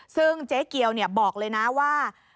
ซึ่งเจ๊เกียวบอกเลยนะว่า